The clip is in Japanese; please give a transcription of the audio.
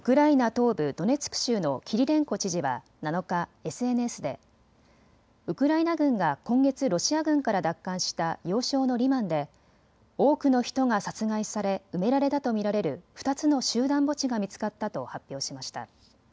東部ドネツク州のキリレンコ知事は７日、ＳＮＳでウクライナ軍が今月ロシア軍から奪還した要衝のリマンで多くの人が殺害され埋められたと見られる２つの集団墓地が見つかったと発表しました。